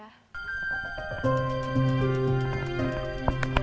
pertama kali saya masuk dpl di dpl